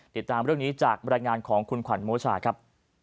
ติดตามเรื่องนี้จากบรรยายงานของคุณขวัญโมชาครับ